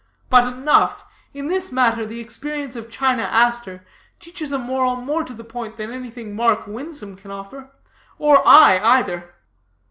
But enough: in this matter the experience of China Aster teaches a moral more to the point than anything Mark Winsome can offer, or I either."